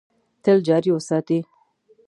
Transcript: تل جاري وساتي .